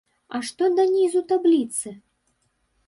А што да нізу табліцы?